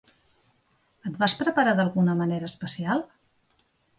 Et vas preparar d’alguna manera especial?